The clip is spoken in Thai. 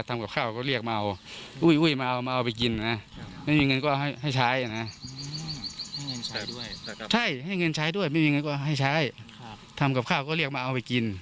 ทำกับข้าวก็เรียกมาเอาไปกิน